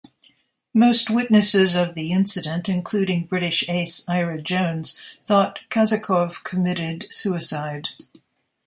Most witnesses of the incident, including British ace Ira Jones, thought Kazakov committed suicide.